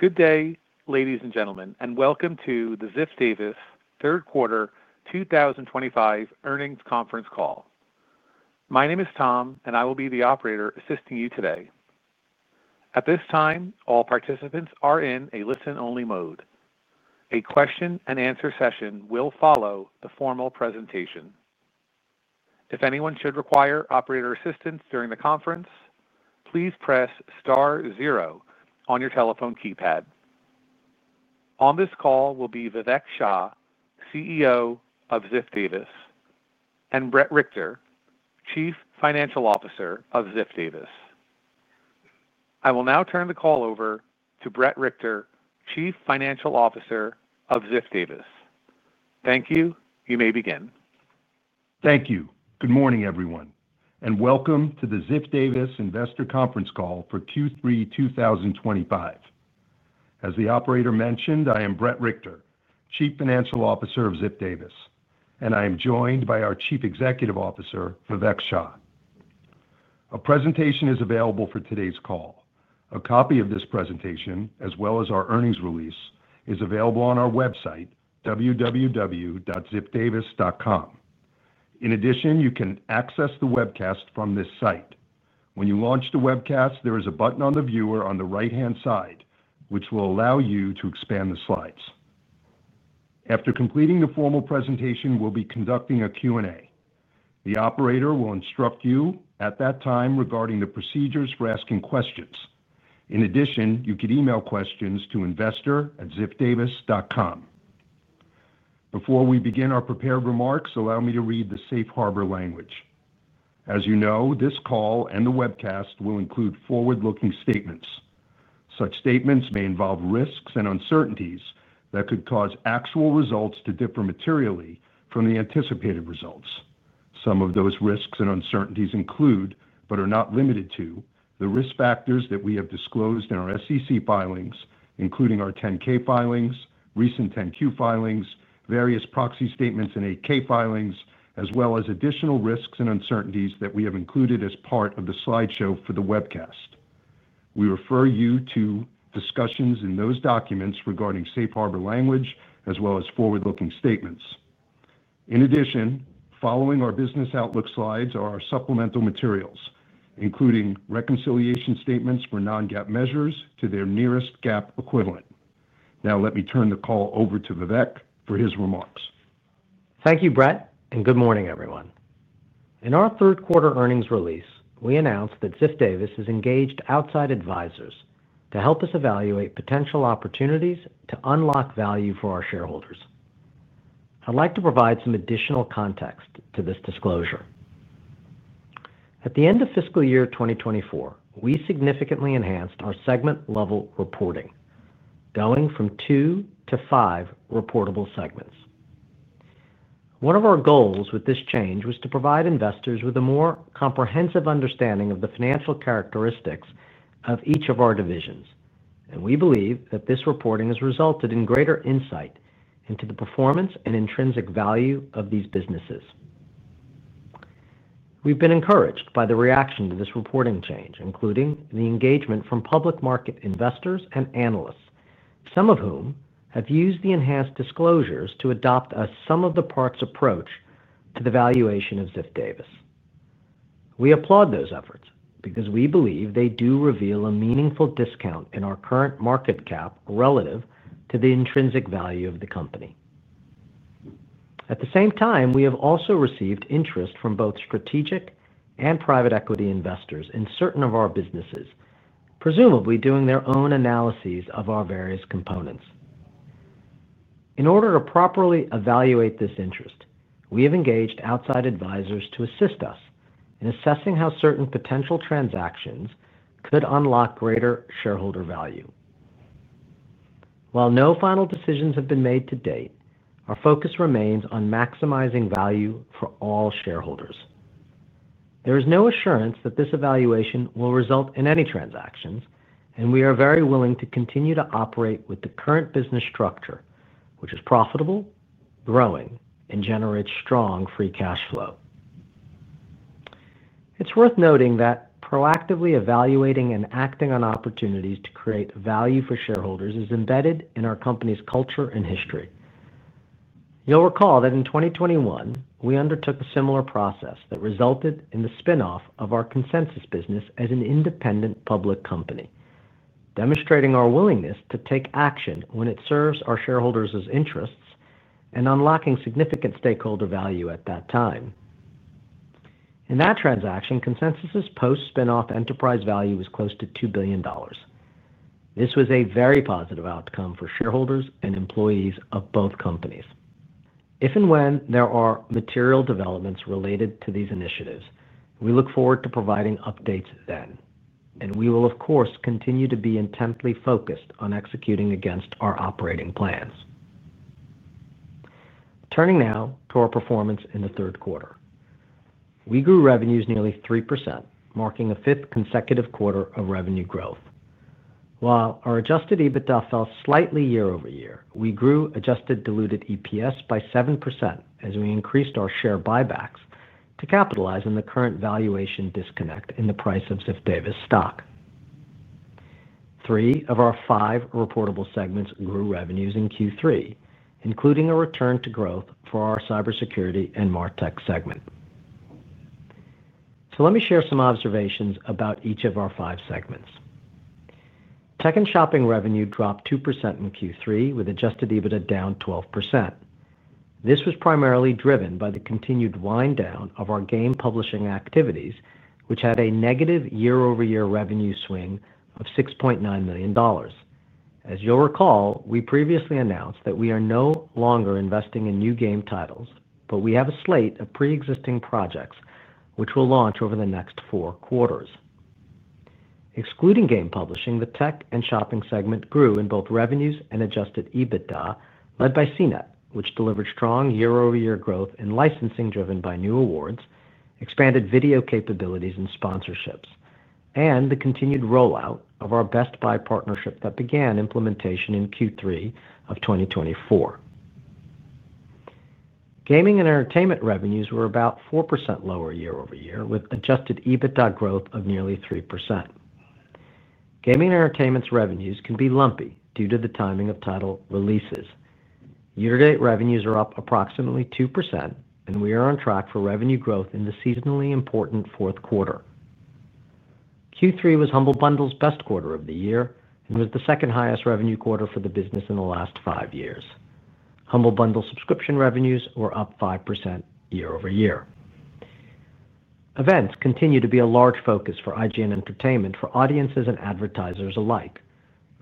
Good day, ladies and gentlemen, and welcome to the Ziff Davis Third Quarter 2025 Earnings conference call. My name is Tom, and I will be the operator assisting you today. At this time, all participants are in a listen-only mode. A question-and-answer session will follow the formal presentation. If anyone should require operator assistance during the conference, please press star zero on your telephone keypad. On this call will be Vivek Shah, CEO of Ziff Davis, and Bret Richter, Chief Financial Officer of Ziff Davis. I will now turn the call over to Bret Richter, Chief Financial Officer of Ziff Davis. Thank you. You may begin. Thank you. Good morning, everyone, and welcome to the Ziff Davis investor conference call for Q3 2025. As the operator mentioned, I am Bret Richter, Chief Financial Officer of Ziff Davis, and I am joined by our Chief Executive Officer, Vivek Shah. A presentation is available for today's call. A copy of this presentation, as well as our earnings release, is available on our website, www.ziffdavis.com. In addition, you can access the webcast from this site. When you launch the webcast, there is a button on the viewer on the right-hand side, which will allow you to expand the slides. After completing the formal presentation, we will be conducting a Q&A. The operator will instruct you at that time regarding the procedures for asking questions. In addition, you can email questions to investor@ziffdavis.com. Before we begin our prepared remarks, allow me to read the safe harbor language. As you know, this call and the webcast will include forward-looking statements. Such statements may involve risks and uncertainties that could cause actual results to differ materially from the anticipated results. Some of those risks and uncertainties include, but are not limited to, the risk factors that we have disclosed in our SEC filings, including our 10-K filings, recent 10-Q filings, various proxy statements and 8-K filings, as well as additional risks and uncertainties that we have included as part of the slideshow for the webcast. We refer you to discussions in those documents regarding safe harbor language, as well as forward-looking statements. In addition, following our business outlook slides are our supplemental materials, including reconciliation statements for non-GAAP measures to their nearest GAAP equivalent. Now, let me turn the call over to Vivek for his remarks. Thank you, Bret, and good morning, everyone. In our third quarter earnings release, we announced that Ziff Davis has engaged outside advisors to help us evaluate potential opportunities to unlock value for our shareholders. I'd like to provide some additional context to this disclosure. At the end of fiscal year 2024, we significantly enhanced our segment-level reporting, going from two to five reportable segments. One of our goals with this change was to provide investors with a more comprehensive understanding of the financial characteristics of each of our divisions, and we believe that this reporting has resulted in greater insight into the performance and intrinsic value of these businesses. We've been encouraged by the reaction to this reporting change, including the engagement from public market investors and analysts, some of whom have used the enhanced disclosures to adopt a sum-of-the-parts approach to the valuation of Ziff Davis. We applaud those efforts because we believe they do reveal a meaningful discount in our current market cap relative to the intrinsic value of the company. At the same time, we have also received interest from both strategic and private equity investors in certain of our businesses, presumably doing their own analyses of our various components. In order to properly evaluate this interest, we have engaged outside advisors to assist us in assessing how certain potential transactions could unlock greater shareholder value. While no final decisions have been made to date, our focus remains on maximizing value for all shareholders. There is no assurance that this evaluation will result in any transactions, and we are very willing to continue to operate with the current business structure, which is profitable, growing, and generates strong free cash flow. It's worth noting that proactively evaluating and acting on opportunities to create value for shareholders is embedded in our company's culture and history. You'll recall that in 2021, we undertook a similar process that resulted in the spinoff of our Consensus business as an independent public company, demonstrating our willingness to take action when it serves our shareholders' interests and unlocking significant stakeholder value at that time. In that transaction, Consensus's post-spinoff enterprise value was close to $2 billion. This was a very positive outcome for shareholders and employees of both companies. If and when there are material developments related to these initiatives, we look forward to providing updates then, and we will, of course, continue to be intently focused on executing against our operating plans. Turning now to our performance in the third quarter, we grew revenues nearly 3%, marking a fifth consecutive quarter of revenue growth. While our adjusted EBITDA fell slightly year-over-year, we grew adjusted diluted EPS by 7% as we increased our share buybacks to capitalize on the current valuation disconnect in the price of Ziff Davis stock. Three of our five reportable segments grew revenues in Q3, including a return to growth for our cybersecurity and martech segment. Let me share some observations about each of our five segments. Tech and shopping revenue dropped 2% in Q3, with adjusted EBITDA down 12%. This was primarily driven by the continued wind down of our game publishing activities, which had a negative year-over-year revenue swing of $6.9 million. As you'll recall, we previously announced that we are no longer investing in new game titles, but we have a slate of pre-existing projects which will launch over the next four quarters. Excluding game publishing, the tech and shopping segment grew in both revenues and adjusted EBITDA, led by CNET, which delivered strong year-over-year growth in licensing driven by new awards, expanded video capabilities and sponsorships, and the continued rollout of our Best Buy partnership that began implementation in Q3 of 2024. Gaming and entertainment revenues were about 4% lower year-over-year, with adjusted EBITDA growth of nearly 3%. Gaming and entertainment's revenues can be lumpy due to the timing of title releases. Year-to-date revenues are up approximately 2%, and we are on track for revenue growth in the seasonally important fourth quarter. Q3 was Humble Bundle's best quarter of the year and was the second highest revenue quarter for the business in the last five years. Humble Bundle subscription revenues were up 5% year-over-year. Events continue to be a large focus for IGN Entertainment for audiences and advertisers alike.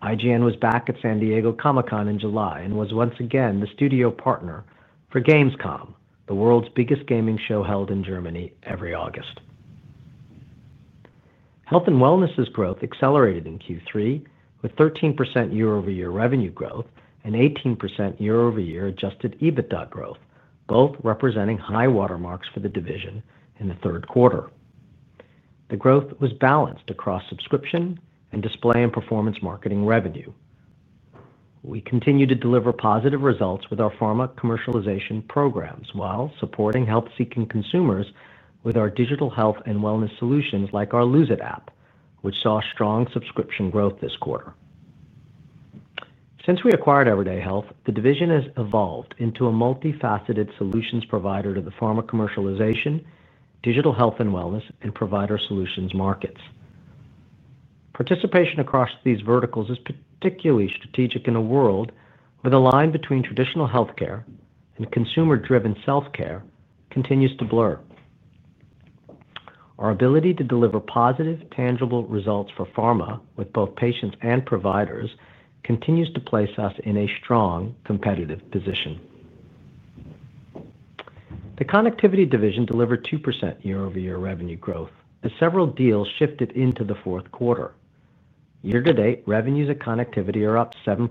IGN was back at San Diego Comic-Con in July and was once again the studio partner for gamescom, the world's biggest gaming show held in Germany every August. Health and wellness's growth accelerated in Q3 with 13% year-over-year revenue growth and 18% year-over-year adjusted EBITDA growth, both representing high watermarks for the division in the third quarter. The growth was balanced across subscription and display and performance marketing revenue. We continue to deliver positive results with our pharma commercialization programs while supporting health-seeking consumers with our digital health and wellness solutions like our Lose It app, which saw strong subscription growth this quarter. Since we acquired Everyday Health, the division has evolved into a multifaceted solutions provider to the pharma commercialization, digital health and wellness, and provider solutions markets. Participation across these verticals is particularly strategic in a world where the line between traditional healthcare and consumer-driven self-care continues to blur. Our ability to deliver positive, tangible results for pharma with both patients and providers continues to place us in a strong competitive position. The connectivity division delivered 2% year-over-year revenue growth as several deals shifted into the fourth quarter. Year-to-date, revenues at connectivity are up 7%,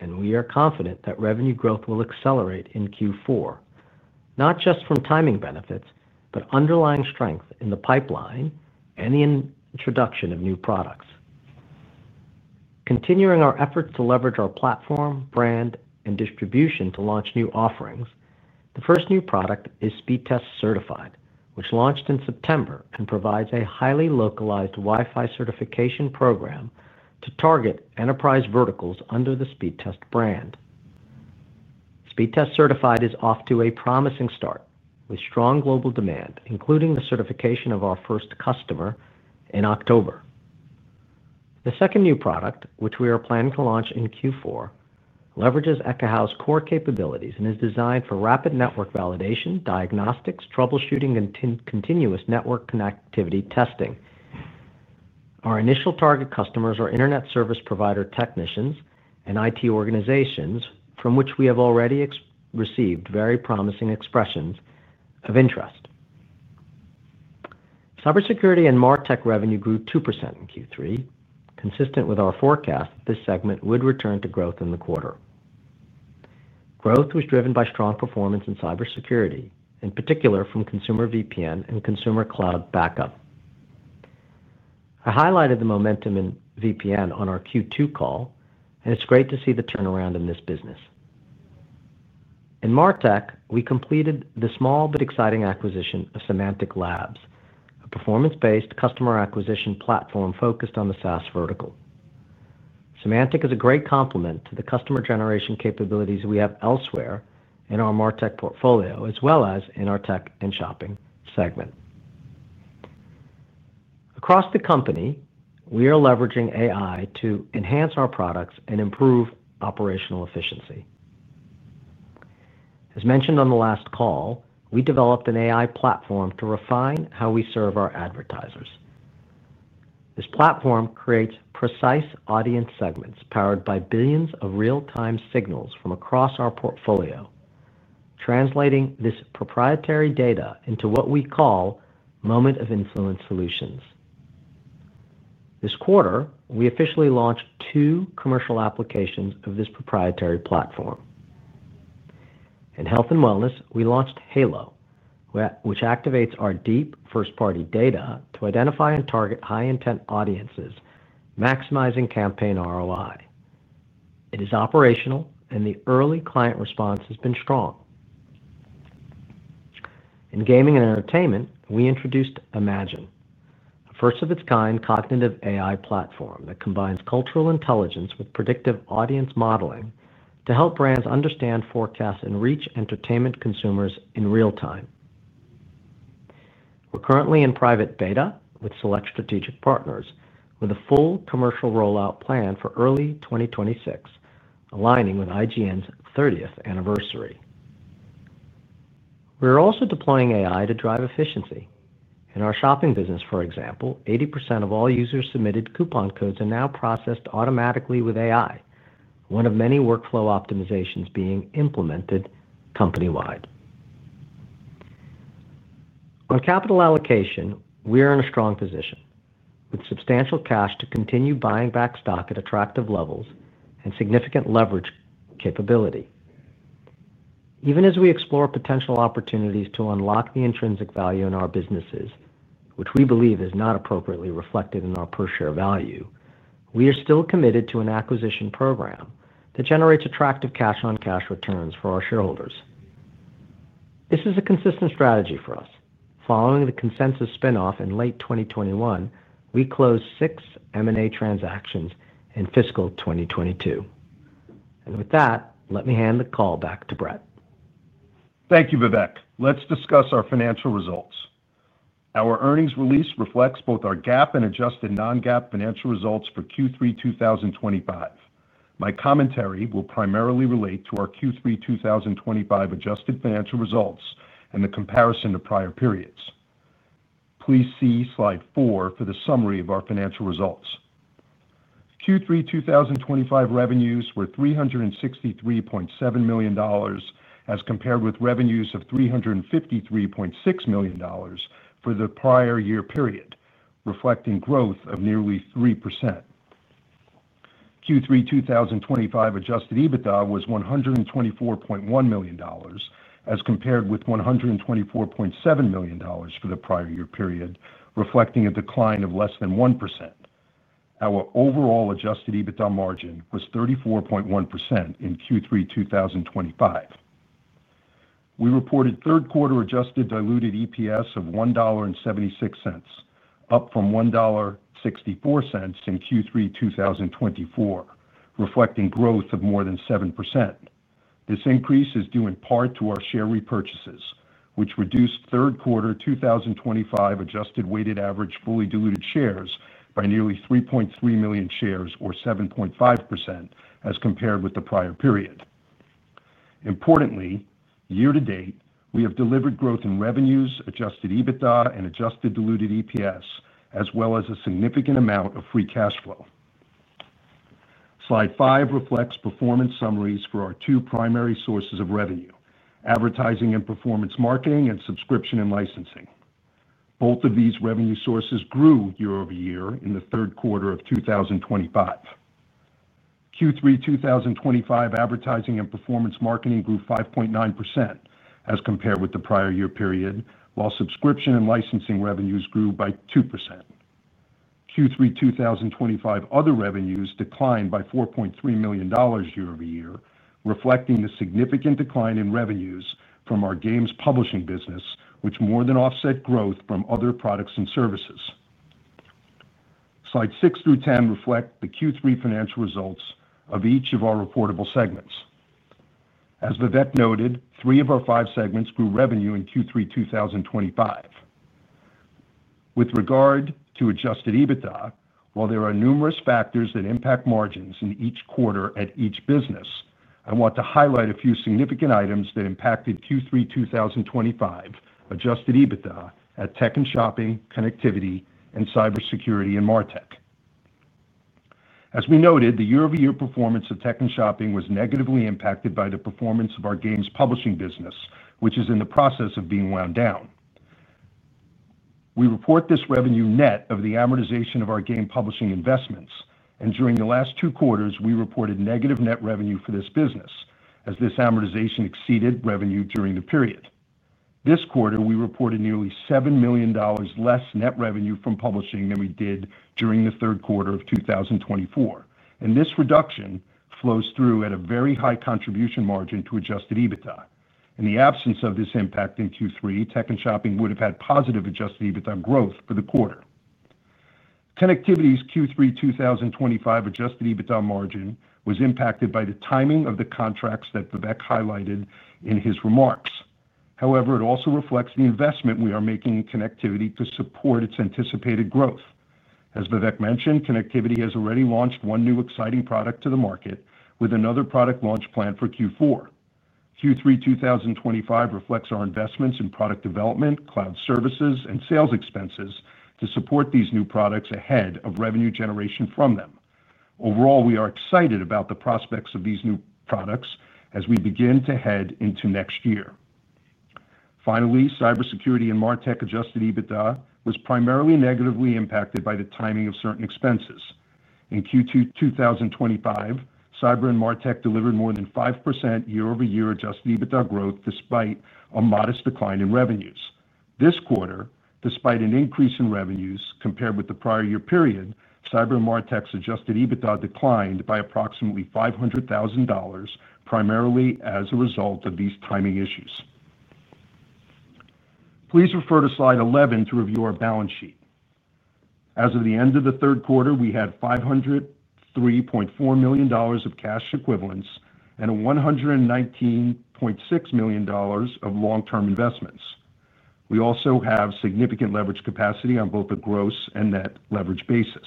and we are confident that revenue growth will accelerate in Q4, not just from timing benefits, but underlying strength in the pipeline and the introduction of new products. Continuing our efforts to leverage our platform, brand, and distribution to launch new offerings, the first new product is Speedtest Certified, which launched in September and provides a highly localized Wi-Fi certification program to target enterprise verticals under the Speedtest brand. Speedtest Certified is off to a promising start with strong global demand, including the certification of our first customer in October. The second new product, which we are planning to launch in Q4, leverages Ekahau's core capabilities and is designed for rapid network validation, diagnostics, troubleshooting, and continuous network connectivity testing. Our initial target customers are internet service provider technicians and IT organizations from which we have already received very promising expressions of interest. Cybersecurity and martech revenue grew 2% in Q3, consistent with our forecast that this segment would return to growth in the quarter. Growth was driven by strong performance in cybersecurity, in particular from consumer VPN and consumer cloud backup. I highlighted the momentum in VPN on our Q2 call, and it's great to see the turnaround in this business. In martech, we completed the small but exciting acquisition of Semantic Labs, a performance-based customer acquisition platform focused on the SaaS vertical. Semantic is a great complement to the customer generation capabilities we have elsewhere in our martech portfolio, as well as in our tech and shopping segment. Across the company, we are leveraging AI to enhance our products and improve operational efficiency. As mentioned on the last call, we developed an AI platform to refine how we serve our advertisers. This platform creates precise audience segments powered by billions of real-time signals from across our portfolio, translating this proprietary data into what we call moment-of-influence solutions. This quarter, we officially launched two commercial applications of this proprietary platform. In health and wellness, we launched Halo, which activates our deep first-party data to identify and target high-intent audiences, maximizing campaign ROI. It is operational, and the early client response has been strong. In gaming and entertainment, we introduced IMAGINE, a first-of-its-kind cognitive AI platform that combines cultural intelligence with predictive audience modeling to help brands understand forecasts and reach entertainment consumers in real time. We're currently in private beta with select strategic partners, with a full commercial rollout planned for early 2026, aligning with IGN's 30th anniversary. We are also deploying AI to drive efficiency. In our shopping business, for example, 80% of all users' submitted coupon codes are now processed automatically with AI, one of many workflow optimizations being implemented company-wide. On capital allocation, we are in a strong position with substantial cash to continue buying back stock at attractive levels and significant leverage capability. Even as we explore potential opportunities to unlock the intrinsic value in our businesses, which we believe is not appropriately reflected in our per-share value, we are still committed to an acquisition program that generates attractive cash-on-cash returns for our shareholders. This is a consistent strategy for us. Following the Consensus spinoff in late 2021, we closed six M&A transactions in fiscal 2022. With that, let me hand the call back to Bret. Thank you, Vivek. Let's discuss our financial results. Our earnings release reflects both our GAAP and adjusted non-GAAP financial results for Q3 2025. My commentary will primarily relate to our Q3 2025 adjusted financial results and the comparison to prior periods. Please see slide four for the summary of our financial results. Q3 2025 revenues were $363.7 million as compared with revenues of $353.6 million for the prior year period, reflecting growth of nearly 3%. Q3 2025 adjusted EBITDA was $124.1 million as compared with $124.7 million for the prior year period, reflecting a decline of less than 1%. Our overall adjusted EBITDA margin was 34.1% in Q3 2025. We reported third-quarter adjusted diluted EPS of $1.76, up from $1.64 in Q3 2024, reflecting growth of more than 7%. This increase is due in part to our share repurchases, which reduced third-quarter 2025 adjusted weighted average fully diluted shares by nearly 3.3 million shares, or 7.5%, as compared with the prior period. Importantly, year-to-date, we have delivered growth in revenues, adjusted EBITDA, and adjusted diluted EPS, as well as a significant amount of free cash flow. Slide five reflects performance summaries for our two primary sources of revenue: advertising and performance marketing and subscription and licensing. Both of these revenue sources grew year-over-year in the third quarter of 2025. Q3 2025 advertising and performance marketing grew 5.9% as compared with the prior year period, while subscription and licensing revenues grew by 2%. Q3 2025 other revenues declined by $4.3 million year-over-year, reflecting the significant decline in revenues from our games publishing business, which more than offset growth from other products and services. Slide six through 10 reflect the Q3 financial results of each of our reportable segments. As Vivek noted, three of our five segments grew revenue in Q3 2025. With regard to adjusted EBITDA, while there are numerous factors that impact margins in each quarter at each business, I want to highlight a few significant items that impacted Q3 2025 adjusted EBITDA at tech and shopping, connectivity, and cybersecurity and martech. As we noted, the year-over-year performance of tech and shopping was negatively impacted by the performance of our games publishing business, which is in the process of being wound down. We report this revenue net of the amortization of our game publishing investments, and during the last two quarters, we reported negative net revenue for this business, as this amortization exceeded revenue during the period. This quarter, we reported nearly $7 million less net revenue from publishing than we did during the third quarter of 2024. This reduction flows through at a very high contribution margin to adjusted EBITDA. In the absence of this impact in Q3, tech and shopping would have had positive adjusted EBITDA growth for the quarter. Connectivity's Q3 2025 adjusted EBITDA margin was impacted by the timing of the contracts that Vivek highlighted in his remarks. However, it also reflects the investment we are making in connectivity to support its anticipated growth. As Vivek mentioned, connectivity has already launched one new exciting product to the market with another product launch planned for Q4. Q3 2025 reflects our investments in product development, cloud services, and sales expenses to support these new products ahead of revenue generation from them. Overall, we are excited about the prospects of these new products as we begin to head into next year. Finally, cybersecurity and martech adjusted EBITDA was primarily negatively impacted by the timing of certain expenses. In Q2 2025, cyber and martech delivered more than 5% year-over-year adjusted EBITDA growth despite a modest decline in revenues. This quarter, despite an increase in revenues compared with the prior year period, cyber and martech's adjusted EBITDA declined by approximately $500,000, primarily as a result of these timing issues. Please refer to slide 11 to review our balance sheet. As of the end of the third quarter, we had $503.4 million of cash equivalents and $119.6 million of long-term investments. We also have significant leverage capacity on both a gross and net leverage basis.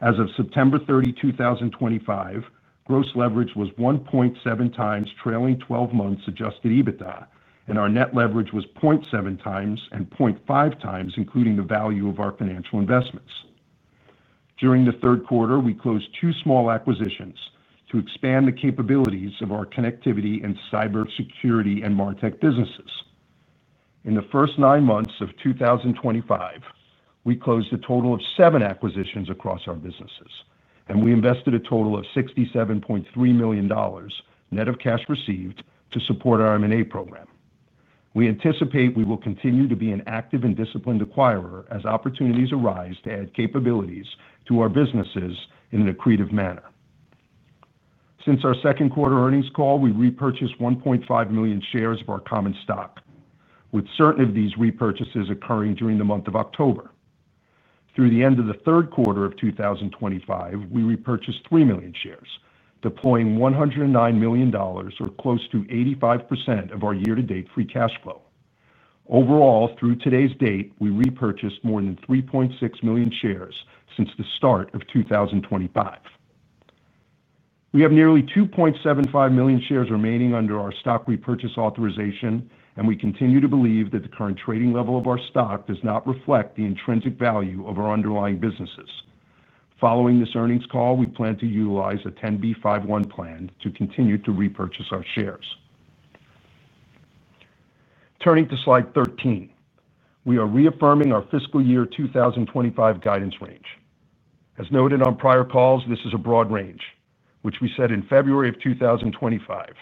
As of September 30, 2025, gross leverage was 1.7x trailing 12 months adjusted EBITDA, and our net leverage was 0.7x and 0.5x, including the value of our financial investments. During the third quarter, we closed two small acquisitions to expand the capabilities of our connectivity and cybersecurity and martech businesses. In the first nine months of 2025, we closed a total of seven acquisitions across our businesses, and we invested a total of $67.3 million net of cash received to support our M&A program. We anticipate we will continue to be an active and disciplined acquirer as opportunities arise to add capabilities to our businesses in an accretive manner. Since our second quarter earnings call, we repurchased 1.5 million shares of our common stock, with certain of these repurchases occurring during the month of October. Through the end of the third quarter of 2025, we repurchased 3 million shares, deploying $109 million, or close to 85% of our year-to-date free cash flow. Overall, through today's date, we repurchased more than 3.6 million shares since the start of 2025. We have nearly 2.75 million shares remaining under our stock repurchase authorization, and we continue to believe that the current trading level of our stock does not reflect the intrinsic value of our underlying businesses. Following this earnings call, we plan to utilize a 10b5-1 plan to continue to repurchase our shares. Turning to slide 13, we are reaffirming our fiscal year 2025 guidance range. As noted on prior calls, this is a broad range, which we set in February of 2025,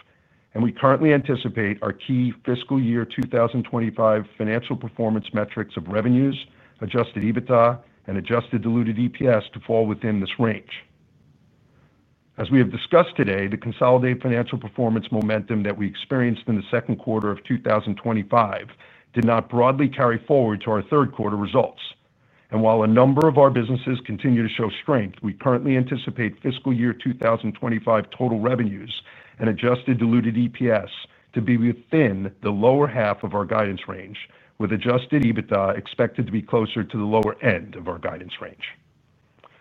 and we currently anticipate our key fiscal year 2025 financial performance metrics of revenues, adjusted EBITDA, and adjusted diluted EPS to fall within this range. As we have discussed today, the consolidated financial performance momentum that we experienced in the second quarter of 2025 did not broadly carry forward to our third quarter results. While a number of our businesses continue to show strength, we currently anticipate fiscal year 2025 total revenues and adjusted diluted EPS to be within the lower half of our guidance range, with adjusted EBITDA expected to be closer to the lower end of our guidance range.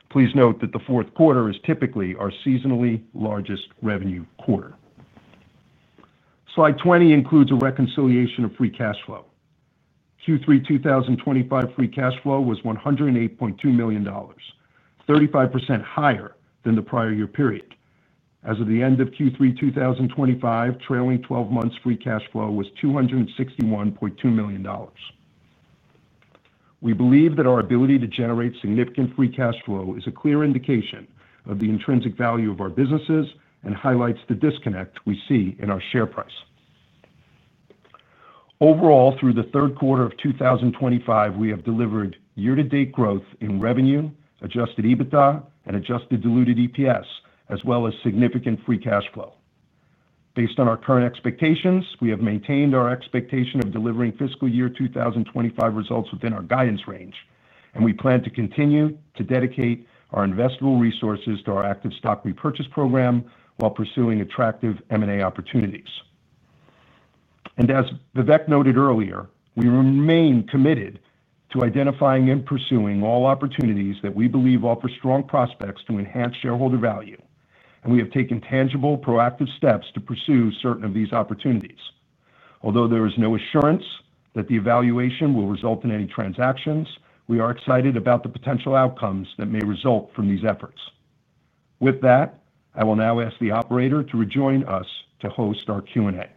Please note that the fourth quarter is typically our seasonally largest revenue quarter. Slide 20 includes a reconciliation of free cash flow. Q3 2025 free cash flow was $108.2 million, 35% higher than the prior year period. As of the end of Q3 2025, trailing 12 months free cash flow was $261.2 million. We believe that our ability to generate significant free cash flow is a clear indication of the intrinsic value of our businesses and highlights the disconnect we see in our share price. Overall, through the third quarter of 2025, we have delivered year-to-date growth in revenue, adjusted EBITDA, and adjusted diluted EPS, as well as significant free cash flow. Based on our current expectations, we have maintained our expectation of delivering fiscal year 2025 results within our guidance range, and we plan to continue to dedicate our investable resources to our active stock repurchase program while pursuing attractive M&A opportunities. As Vivek noted earlier, we remain committed to identifying and pursuing all opportunities that we believe offer strong prospects to enhance shareholder value, and we have taken tangible, proactive steps to pursue certain of these opportunities. Although there is no assurance that the evaluation will result in any transactions, we are excited about the potential outcomes that may result from these efforts. With that, I will now ask the operator to rejoin us to host our Q&A.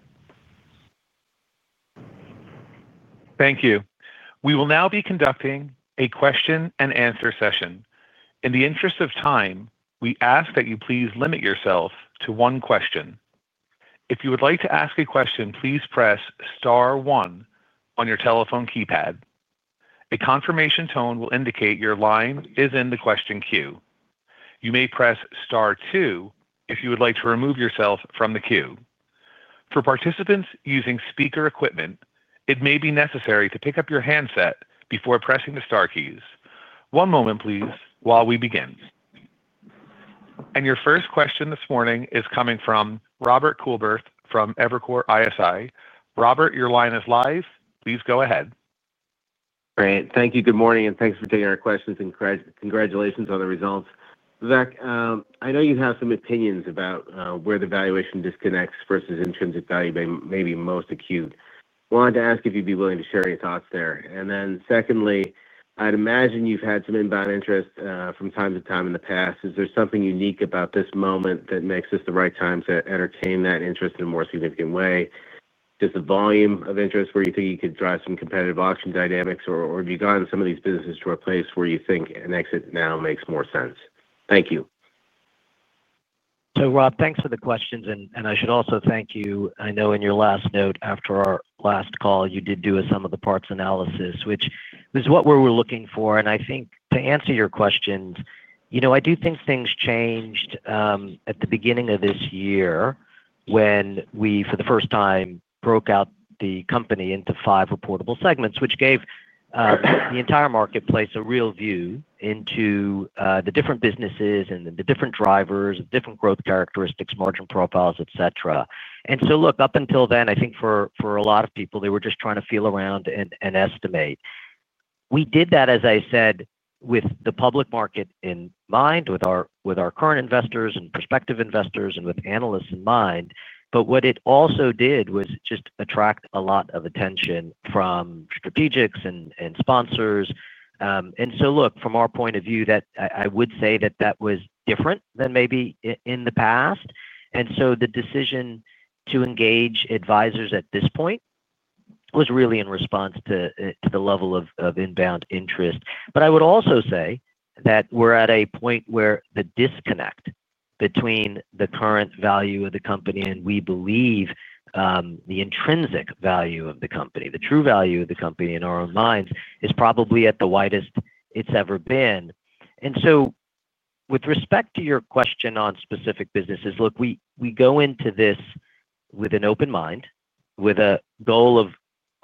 Thank you. We will now be conducting a question-and-answer session. In the interest of time, we ask that you please limit yourself to one question. If you would like to ask a question, please press star one on your telephone keypad. A confirmation tone will indicate your line is in the question queue. You may press star two if you would like to remove yourself from the queue. For participants using speaker equipment, it may be necessary to pick up your handset before pressing the star keys. One moment, please, while we begin. Your first question this morning is coming from Robert Coolbrith from Evercore ISI. Robert, your line is live. Please go ahead. Great. Thank you. Good morning, and thanks for taking our questions. Congratulations on the results. Vivek, I know you have some opinions about where the valuation disconnects versus intrinsic value may be most acute. I wanted to ask if you'd be willing to share your thoughts there. Secondly, I'd imagine you've had some inbound interest from time to time in the past. Is there something unique about this moment that makes this the right time to entertain that interest in a more significant way? Is it the volume of interest where you think you could drive some competitive auction dynamics, or have you gotten some of these businesses to a place where you think an exit now makes more sense? Thank you. Rob, thanks for the questions. I should also thank you. I know in your last note after our last call, you did do some of the parts analysis, which is what we were looking for. I think to answer your questions, I do think things changed at the beginning of this year when we, for the first time, broke out the company into five reportable segments, which gave the entire marketplace a real view into the different businesses and the different drivers, different growth characteristics, margin profiles, etc. Look, up until then, I think for a lot of people, they were just trying to feel around and estimate. We did that, as I said, with the public market in mind, with our current investors and prospective investors, and with analysts in mind. What it also did was just attract a lot of attention from strategics and sponsors. From our point of view, I would say that that was different than maybe in the past. The decision to engage advisors at this point was really in response to the level of inbound interest. I would also say that we're at a point where the disconnect between the current value of the company and, we believe, the intrinsic value of the company, the true value of the company in our own minds, is probably at the widest it's ever been. With respect to your question on specific businesses, look, we go into this with an open mind, with a goal of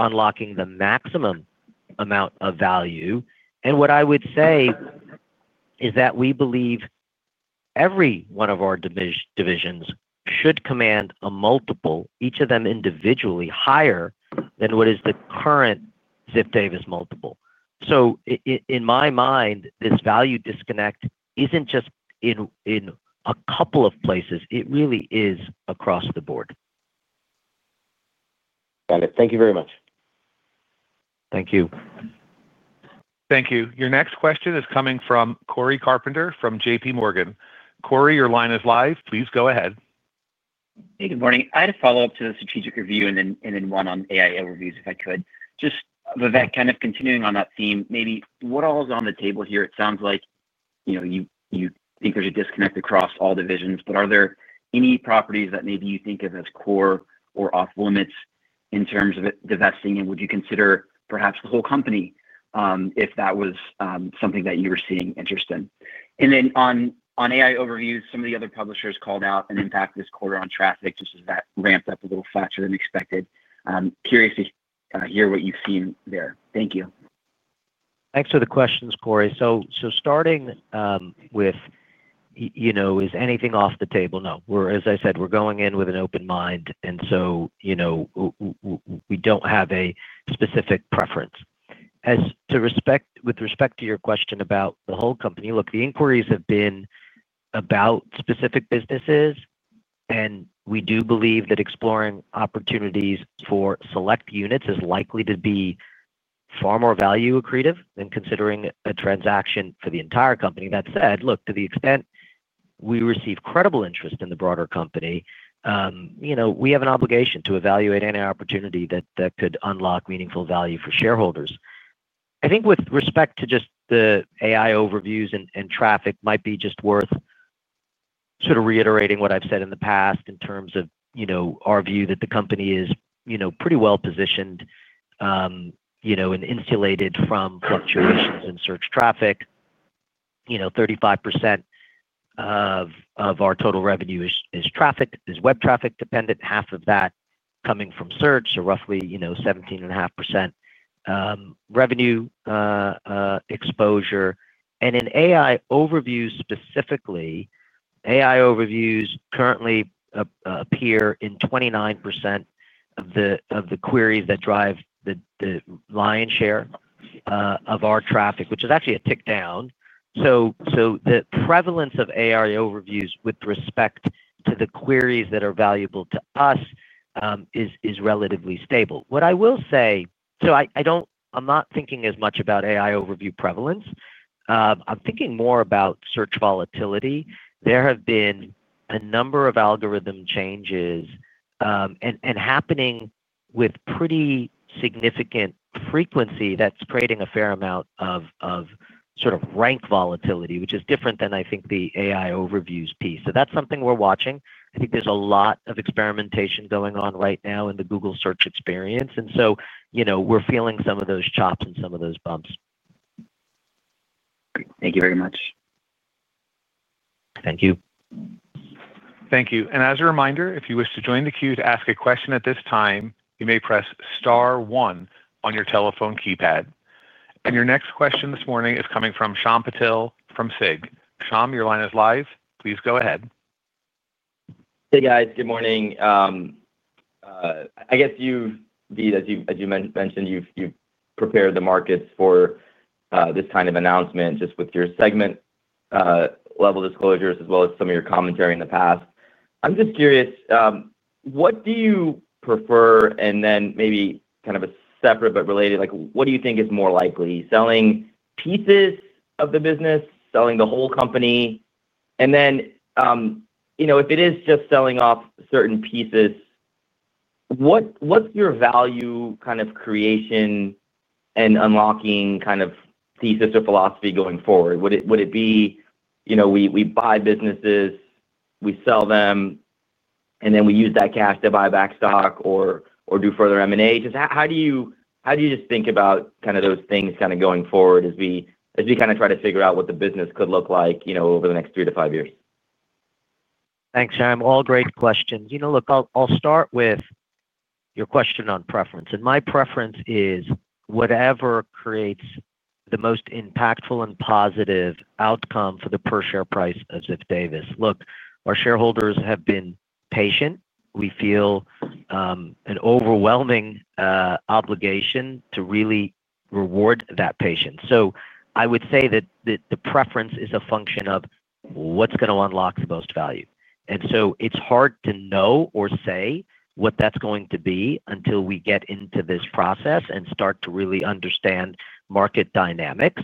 unlocking the maximum amount of value. What I would say is that we believe every one of our divisions should command a multiple, each of them individually, higher than what is the current Ziff Davis multiple. In my mind, this value disconnect is not just in a couple of places. It really is across the board. Got it. Thank you very much. Thank you. Thank you. Your next question is coming from Cory Carpenter from JPMorgan. Cory, your line is live. Please go ahead. Hey, good morning. I had a follow-up to the strategic review and then one on AI overviews, if I could. Just, Vivek, kind of continuing on that theme, maybe what all is on the table here? It sounds like you think there's a disconnect across all divisions, but are there any properties that maybe you think of as core or off-limits in terms of divesting? Would you consider perhaps the whole company if that was something that you were seeing interest in? On AI overviews, some of the other publishers called out an impact this quarter on traffic, just as that ramped up a little faster than expected. Curious to hear what you've seen there. Thank you. Thanks for the questions, Cory. Starting with, is anything off the table? No. As I said, we're going in with an open mind, and we don't have a specific preference. With respect to your question about the whole company, look, the inquiries have been about specific businesses, and we do believe that exploring opportunities for select units is likely to be far more value-accretive than considering a transaction for the entire company. That said, look, to the extent we receive credible interest in the broader company, we have an obligation to evaluate any opportunity that could unlock meaningful value for shareholders. I think with respect to just the AI overviews and traffic, it might be just worth sort of reiterating what I've said in the past in terms of our view that the company is pretty well positioned and insulated from fluctuations in search traffic. 35% of our total revenue is web traffic dependent, half of that coming from search, so roughly 17.5% revenue exposure. In AI overviews specifically, AI overviews currently appear in 29% of the queries that drive the lion's share of our traffic, which is actually a tick down. The prevalence of AI overviews with respect to the queries that are valuable to us is relatively stable. What I will say, I'm not thinking as much about AI overview prevalence. I'm thinking more about search volatility. There have been a number of algorithm changes happening with pretty significant frequency that's creating a fair amount of sort of rank volatility, which is different than, I think, the AI overviews piece. That's something we're watching. I think there's a lot of experimentation going on right now in the Google search experience, and we're feeling some of those chops and some of those bumps. Great. Thank you very much. Thank you. Thank you. As a reminder, if you wish to join the queue to ask a question at this time, you may press star one on your telephone keypad. Your next question this morning is coming from Shyam Patil from SIG. Shyam, your line is live. Please go ahead. Hey, guys. Good morning. I guess, as you mentioned, you've prepared the markets for this kind of announcement just with your segment-level disclosures as well as some of your commentary in the past. I'm just curious, what do you prefer, and then maybe kind of a separate but related, what do you think is more likely, selling pieces of the business, selling the whole company? If it is just selling off certain pieces, what's your value kind of creation and unlocking kind of thesis or philosophy going forward? Would it be we buy businesses, we sell them, and then we use that cash to buy back stock or do further M&A? Just how do you just think about kind of those things kind of going forward as we kind of try to figure out what the business could look like over the next three to five years? Thanks, Shyam. All great questions. Look, I'll start with your question on preference. And my preference is whatever creates the most impactful and positive outcome for the per-share price of Ziff Davis. Look, our shareholders have been patient. We feel an overwhelming obligation to really reward that patience. I would say that the preference is a function of what's going to unlock the most value. It is hard to know or say what that is going to be until we get into this process and start to really understand market dynamics.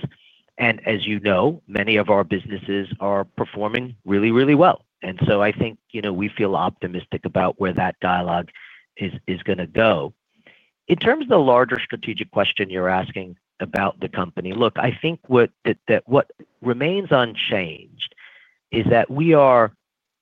As you know, many of our businesses are performing really, really well. I think we feel optimistic about where that dialogue is going to go. In terms of the larger strategic question you are asking about the company, what remains unchanged is that we are,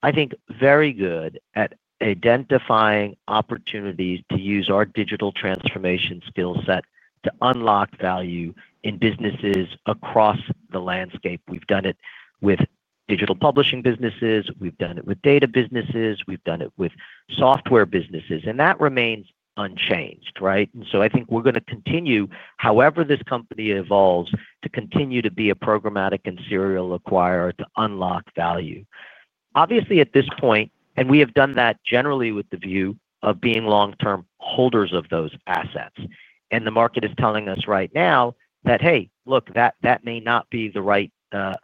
I think, very good at identifying opportunities to use our digital transformation skill set to unlock value in businesses across the landscape. We have done it with digital publishing businesses. We have done it with data businesses. We have done it with software businesses. That remains unchanged, right? I think we are going to continue, however this company evolves, to continue to be a programmatic and serial acquirer to unlock value. Obviously, at this point, and we have done that generally with the view of being long-term holders of those assets. The market is telling us right now that, hey, look, that may not be the right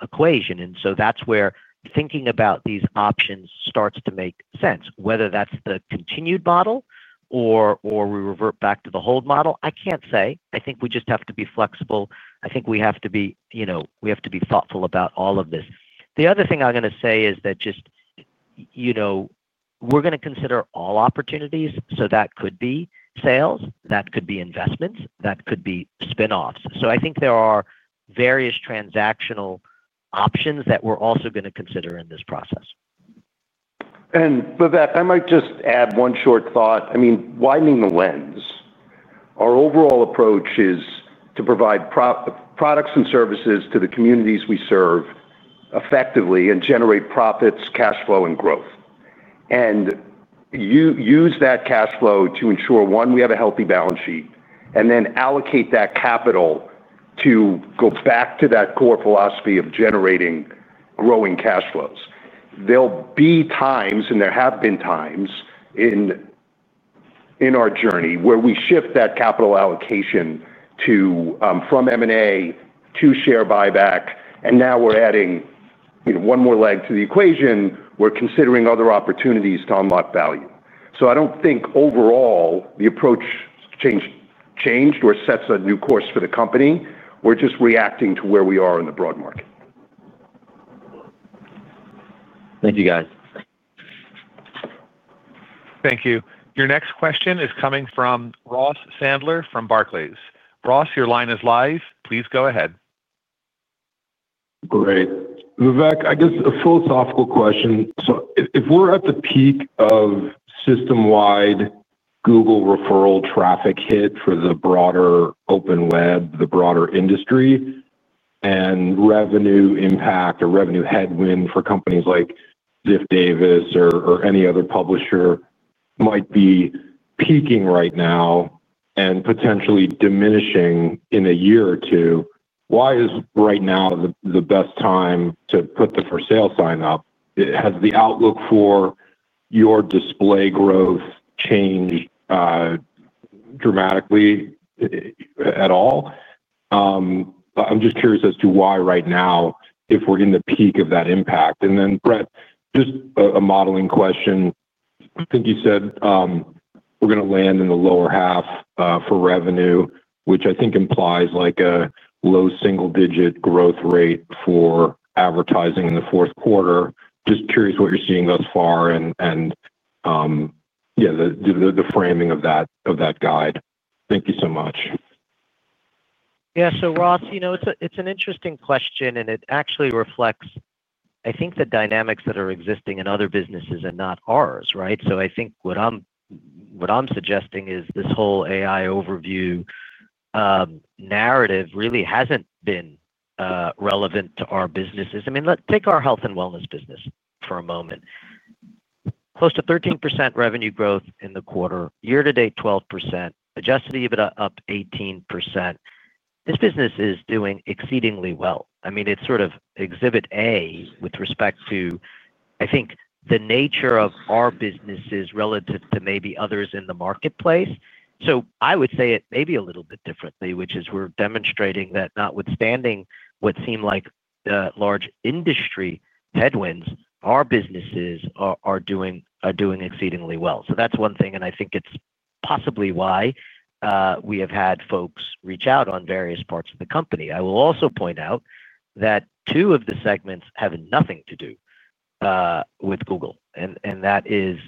equation. That is where thinking about these options starts to make sense. Whether that is the continued model or we revert back to the hold model, I cannot say. I think we just have to be flexible. I think we have to be thoughtful about all of this. The other thing I am going to say is that we are going to consider all opportunities. That could be sales. That could be investments. That could be spinoffs. I think there are various transactional options that we are also going to consider in this process. Vivek, I might just add one short thought. I mean, widening the lens. Our overall approach is to provide products and services to the communities we serve effectively and generate profits, cash flow, and growth. We use that cash flow to ensure, one, we have a healthy balance sheet, and then allocate that capital to go back to that core philosophy of generating growing cash flows. There will be times, and there have been times in our journey where we shift that capital allocation from M&A to share buyback, and now we are adding one more leg to the equation. We are considering other opportunities to unlock value. I do not think overall the approach changed or sets a new course for the company. We are just reacting to where we are in the broad market. Thank you, guys. Thank you. Your next question is coming from Ross Sandler from Barclays. Ross, your line is live. Please go ahead. Great. Vivek, I guess a philosophical question. If we're at the peak of system-wide Google referral traffic hit for the broader open web, the broader industry, and revenue impact or revenue headwind for companies like Ziff Davis or any other publisher might be peaking right now and potentially diminishing in a year or two, why is right now the best time to put the for sale sign up? Has the outlook for your display growth changed dramatically at all? I'm just curious as to why right now if we're in the peak of that impact. Then, Bret, just a modeling question. I think you said we're going to land in the lower half for revenue, which I think implies a low single-digit growth rate for advertising in the fourth quarter. Just curious what you're seeing thus far and, yeah, the framing of that guide. Thank you so much. Ross, it's an interesting question, and it actually reflects, I think, the dynamics that are existing in other businesses and not ours, right? I think what I'm suggesting is this AI overview narrative really hasn't been relevant to our businesses. I mean, let's take our health and wellness business for a moment. Close to 13% revenue growth in the quarter. Year-to-date, 12%. Adjusted EBITDA up 18%. This business is doing exceedingly well. I mean, it's sort of exhibit A with respect to, I think, the nature of our businesses relative to maybe others in the marketplace. I would say it maybe a little bit differently, which is we're demonstrating that notwithstanding what seemed like large industry headwinds, our businesses are doing exceedingly well. That's one thing, and I think it's possibly why we have had folks reach out on various parts of the company. I will also point out that two of the segments have nothing to do with Google, and that is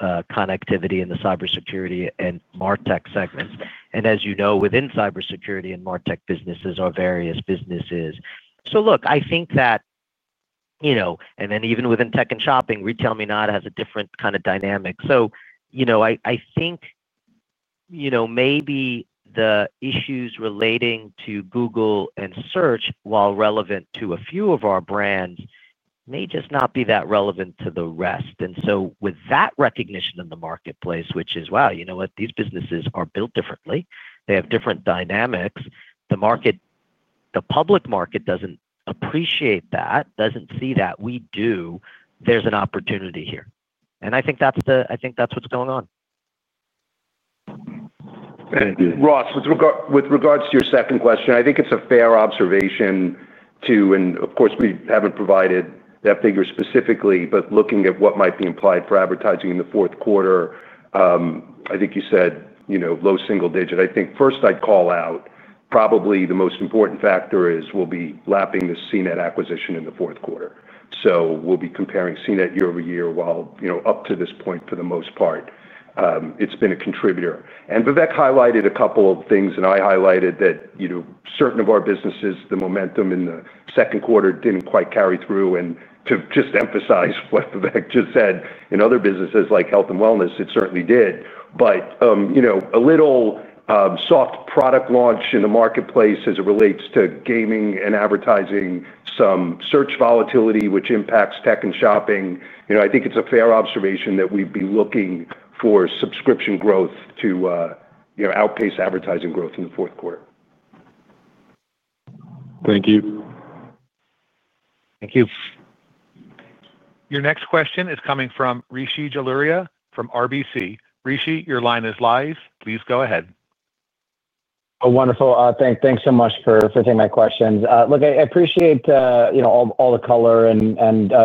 connectivity and the cybersecurity and martech segments. As you know, within cybersecurity and martech businesses are various businesses. Look, I think that, and then even within tech and shopping, RetailMeNot has a different kind of dynamic. I think maybe the issues relating to Google and search, while relevant to a few of our brands, may just not be that relevant to the rest. With that recognition in the marketplace, which is, "Wow, you know what? These businesses are built differently. They have different dynamics." The public market does not appreciate that, does not see that. We do. There is an opportunity here. I think that is what is going on. Thank you. Ross, with regards to your second question, I think it's a fair observation to, and of course, we haven't provided that figure specifically, but looking at what might be implied for advertising in the fourth quarter, I think you said low single-digit. I think first I'd call out, probably the most important factor is we'll be lapping the CNET acquisition in the fourth quarter. So we'll be comparing CNET year-over-year while up to this point, for the most part, it's been a contributor. Vivek highlighted a couple of things, and I highlighted that certain of our businesses, the momentum in the second quarter didn't quite carry through. To just emphasize what Vivek just said, in other businesses like health and wellness, it certainly did. A little soft product launch in the marketplace as it relates to gaming and advertising, some search volatility, which impacts tech and shopping. I think it's a fair observation that we'd be looking for subscription growth to outpace advertising growth in the fourth quarter. Thank you. Thank you. Your next question is coming from Rishi Jaluria from RBC. Rishi, your line is live. Please go ahead. Oh, wonderful. Thanks so much for taking my questions. Look, I appreciate all the color and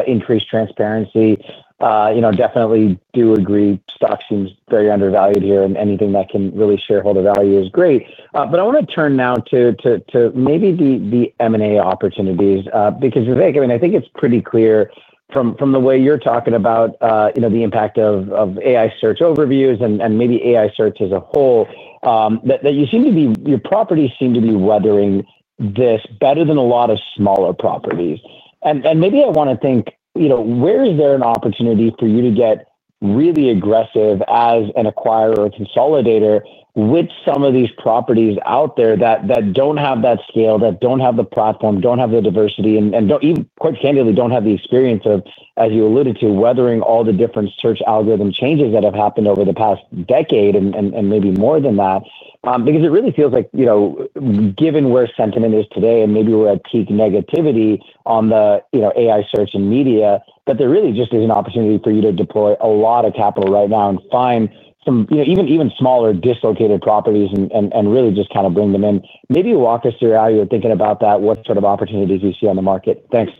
increased transparency. Definitely do agree stock seems very undervalued here, and anything that can really shareholder value is great. I want to turn now to maybe the M&A opportunities because, Vivek, I mean, I think it's pretty clear from the way you're talking about the impact of AI search overviews and maybe AI search as a whole that you seem to be, your properties seem to be weathering this better than a lot of smaller properties. Maybe I want to think, where is there an opportunity for you to get really aggressive as an acquirer or consolidator with some of these properties out there that don't have that scale, that don't have the platform, don't have the diversity, and quite candidly, don't have the experience of, as you alluded to, weathering all the different search algorithm changes that have happened over the past decade and maybe more than that? Because it really feels like, given where sentiment is today, and maybe we're at peak negativity on the AI search and media, that there really just is an opportunity for you to deploy a lot of capital right now and find some even smaller dislocated properties and really just kind of bring them in. Maybe walk us through how you're thinking about that, what sort of opportunities you see on the market. Thanks.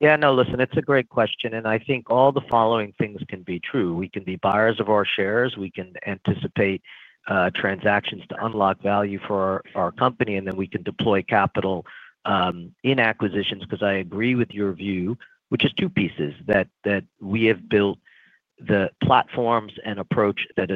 Yeah. No, listen, it's a great question. I think all the following things can be true. We can be buyers of our shares. We can anticipate transactions to unlock value for our company. Then we can deploy capital in acquisitions because I agree with your view, which is two pieces: that we have built the platforms and approach that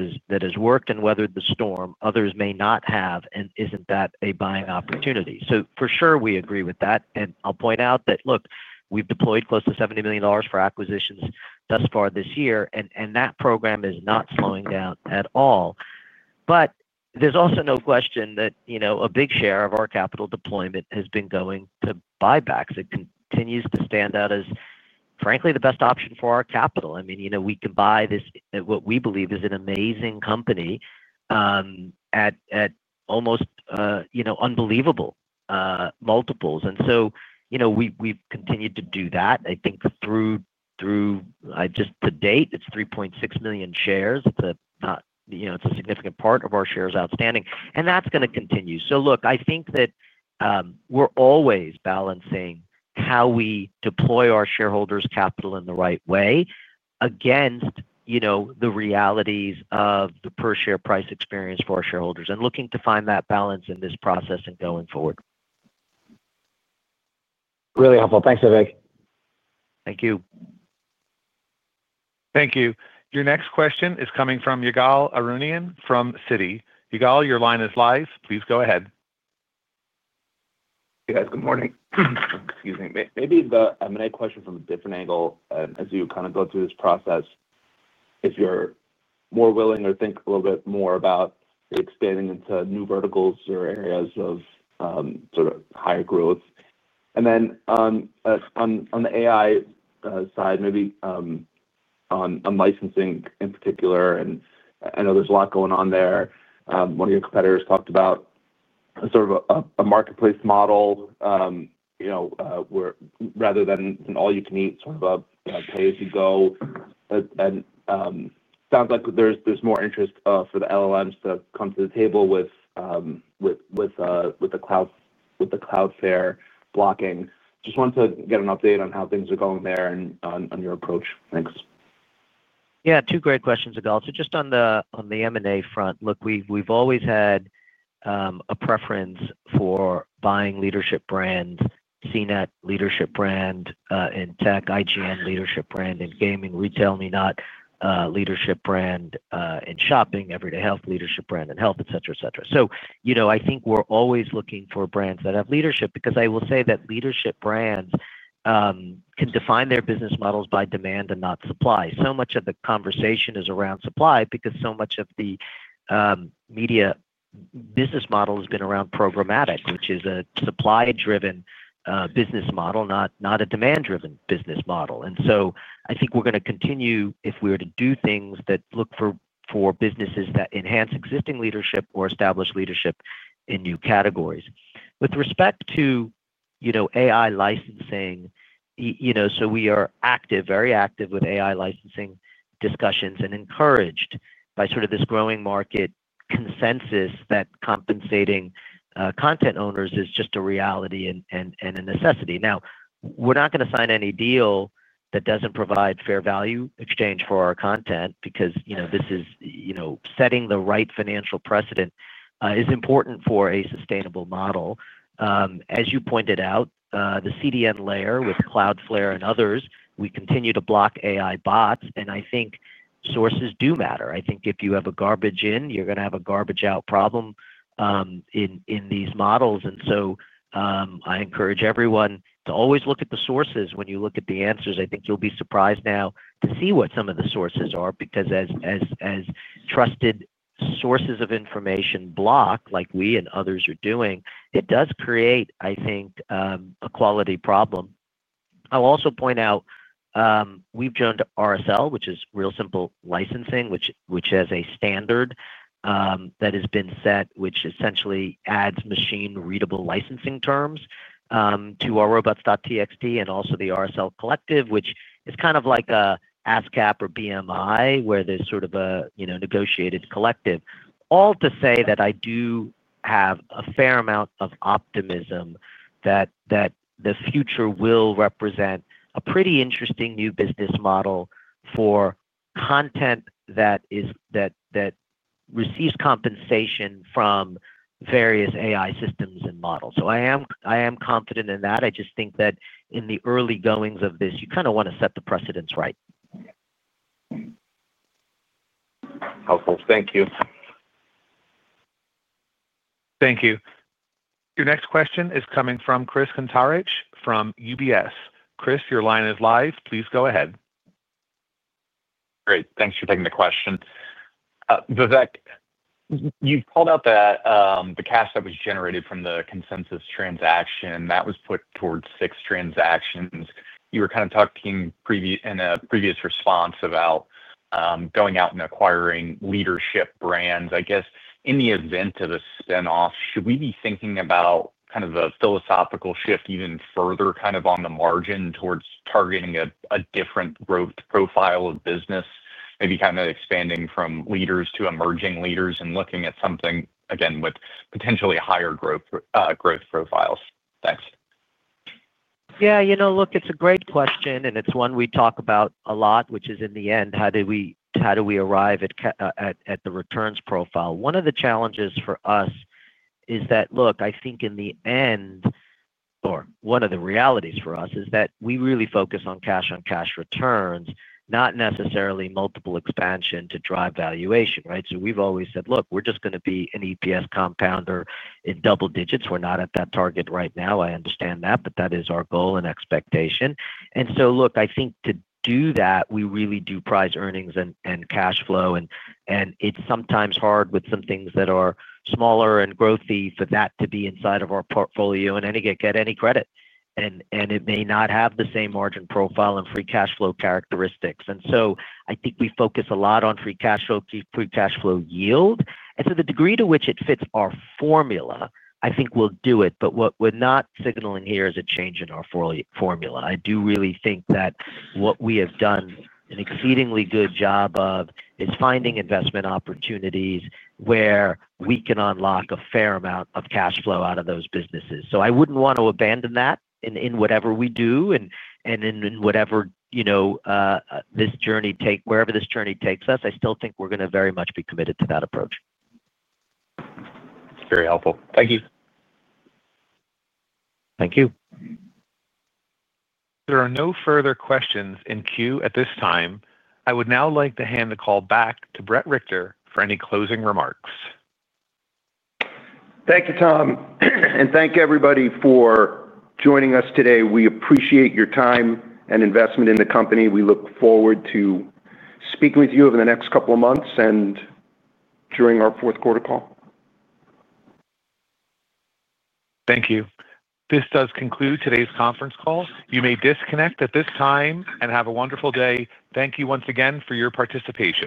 has worked and weathered the storm. Others may not have, and isn't that a buying opportunity? For sure, we agree with that. I'll point out that, look, we've deployed close to $70 million for acquisitions thus far this year, and that program is not slowing down at all. There's also no question that a big share of our capital deployment has been going to buybacks. It continues to stand out as, frankly, the best option for our capital. I mean, we can buy what we believe is an amazing company at almost unbelievable multiples. We've continued to do that. I think through just to date, it's 3.6 million shares. It's a significant part of our shares outstanding. That's going to continue. I think that we're always balancing how we deploy our shareholders' capital in the right way against the realities of the per-share price experience for our shareholders and looking to find that balance in this process and going forward. Really helpful. Thanks, Vivek. Thank you. Thank you. Your next question is coming from Ygal Arounian from Citi. Ygal, your line is live. Please go ahead. Hey, guys. Good morning. Excuse me. Maybe the M&A question from a different angle. As you kind of go through this process, if you're more willing or think a little bit more about expanding into new verticals or areas of sort of higher growth. On the AI side, maybe on licensing in particular, and I know there's a lot going on there. One of your competitors talked about sort of a marketplace model rather than an all-you-can-eat sort of a pay-as-you-go. It sounds like there's more interest for the LLMs to come to the table with the Cloudflare blocking. Just wanted to get an update on how things are going there and on your approach. Thanks. Yeah. Two great questions, Ygal. Just on the M&A front, look, we've always had a preference for buying leadership brands, CNET leadership brand in tech, IGN leadership brand in gaming, RetailMeNot leadership brand in shopping, Everyday Health leadership brand in health, etc., etc. I think we're always looking for brands that have leadership because I will say that leadership brands can define their business models by demand and not supply. Much of the conversation is around supply because so much of the media business model has been around programmatic, which is a supply-driven business model, not a demand-driven business model. I think we're going to continue if we were to do things that look for businesses that enhance existing leadership or establish leadership in new categories. With respect to AI licensing, we are active, very active with AI licensing discussions and encouraged by sort of this growing market consensus that compensating content owners is just a reality and a necessity. Now, we're not going to sign any deal that doesn't provide fair value exchange for our content because setting the right financial precedent is important for a sustainable model. As you pointed out, the CDN layer with Cloudflare and others, we continue to block AI bots, and I think sources do matter. I think if you have a garbage in, you're going to have a garbage out problem in these models. I encourage everyone to always look at the sources when you look at the answers. I think you'll be surprised now to see what some of the sources are because as trusted sources of information block like we and others are doing, it does create, I think, a quality problem. I'll also point out we've joined RSL, which is Real Simple Licensing, which has a standard that has been set, which essentially adds machine-readable licensing terms to our robots.txt and also the RSL Collective, which is kind of like an ASCAP or BMI where there's sort of a negotiated collective. All to say that I do have a fair amount of optimism that the future will represent a pretty interesting new business model for content that receives compensation from various AI systems and models. I am confident in that. I just think that in the early goings of this, you kind of want to set the precedents right. Helpful. Thank you. Thank you. Your next question is coming from Chris Kuntarich from UBS. Chris, your line is live. Please go ahead. Great. Thanks for taking the question. Vivek, you've called out the cash that was generated from the Consensus transaction. That was put towards six transactions. You were kind of talking in a previous response about going out and acquiring leadership brands. I guess in the event of a spinoff, should we be thinking about kind of a philosophical shift even further kind of on the margin towards targeting a different growth profile of business, maybe kind of expanding from leaders to emerging leaders and looking at something, again, with potentially higher growth profiles? Thanks. Yeah. Look, it's a great question, and it's one we talk about a lot, which is in the end, how do we arrive at the returns profile? One of the challenges for us is that, look, I think in the end, or one of the realities for us is that we really focus on cash-on-cash returns, not necessarily multiple expansion to drive valuation, right? So we've always said, "Look, we're just going to be an EPS compounder in double digits. We're not at that target right now. I understand that, but that is our goal and expectation. Look, I think to do that, we really do price earnings and cash flow, and it's sometimes hard with some things that are smaller and growthy for that to be inside of our portfolio and get any credit. It may not have the same margin profile and free cash flow characteristics. I think we focus a lot on free cash flow, free cash flow yield. To the degree to which it fits our formula, I think we'll do it. What we're not signaling here is a change in our formula. I do really think that what we have done an exceedingly good job of is finding investment opportunities where we can unlock a fair amount of cash flow out of those businesses. I would not want to abandon that in whatever we do and in whatever this journey takes, wherever this journey takes us. I still think we are going to very much be committed to that approach. That is very helpful. Thank you. Thank you. There are no further questions in queue at this time. I would now like to hand the call back to Bret Richter for any closing remarks. Thank you, Tom. And thank everybody for joining us today. We appreciate your time and investment in the company. We look forward to speaking with you over the next couple of months and during our fourth quarter call. Thank you. This does conclude today's conference call. You may disconnect at this time and have a wonderful day. Thank you once again for your participation.